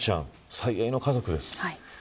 最愛の家族です。